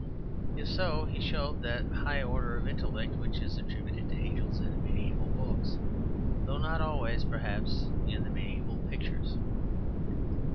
If so, he showed that high order of intellect which is attributed to angels in the mediaeval books, though not always (perhaps) in the mediaeval pictures.